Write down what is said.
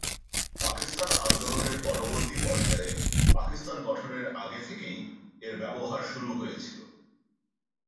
পাকিস্তান আন্দোলনের পরবর্তী পর্যায়ে পাকিস্তান গঠনের আগে থেকেই এর ব্যবহার শুরু হয়েছিল।